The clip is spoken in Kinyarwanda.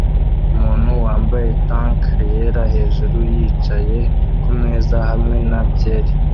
Umuntu wambaye tank yera hejuru yicaye kumeza hamwe na byeri